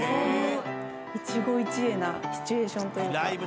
一期一会なシチュエーションというか。